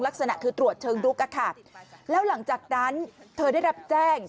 ลักษณะคือตรวจเชิงลุกอะค่ะแล้วหลังจากนั้นเธอได้รับแจ้ง